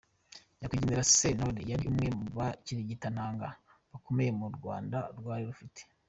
Nyakwigendera Sentore yari umwe mu bakirigitananga bakomeye u Rwanda rwari rufite.